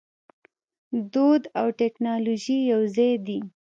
دود او ټیکنالوژي یوځای دي.